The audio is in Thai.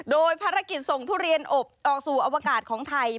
โดยภารกิจส่งทุเรียนอบออกสู่อวกาศของไทย